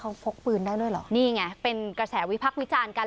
เขาพกปืนได้ด้วยเหรอนี่ไงเป็นกระแสวิพักษ์วิจารณ์กัน